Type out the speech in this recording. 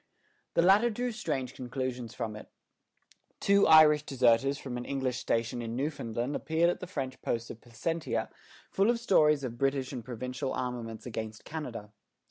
The latter drew strange conclusions from it. Two Irish deserters from an English station in Newfoundland appeared at the French post of Placentia full of stories of British and provincial armaments against Canada.